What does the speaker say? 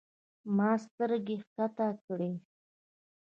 ما سترګې کښته کړې.